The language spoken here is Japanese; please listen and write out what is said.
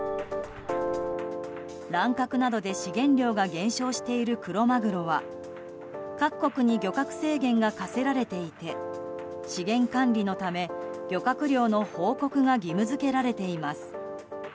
乱獲などで資源量が減少しているクロマグロは各国に漁獲制限が課せられていて資源管理のため、漁獲量の報告が義務付けられています。